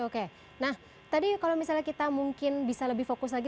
oke nah tadi kalau misalnya kita mungkin bisa lebih fokus lagi